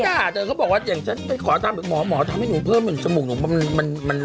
หมอเขาก็กล้าแต่เขาบอกว่าอย่างฉันไปขอตามหมอหมอทำให้หนูเพิ่มหนูจมูกหนูมัน